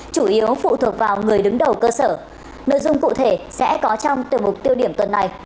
chủ yếu phụ thuộc vào người đứng đầu cơ sở nội dung cụ thể sẽ có trong từ mục tiêu điểm tuần này